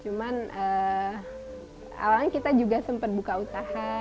cuman awalnya kita juga sempat buka usaha